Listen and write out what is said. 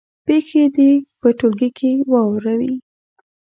پېښې دې په ټولګي کې واوروي.